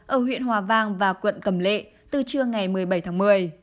ở huyện hòa vang và quận cầm lệ từ trưa ngày một mươi bảy tháng một mươi